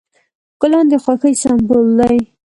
ګلان د خوښۍ سمبول دي.